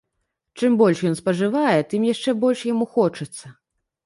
Чым больш ён спажывае, тым яшчэ больш яму хочацца.